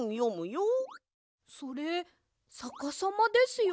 それさかさまですよ。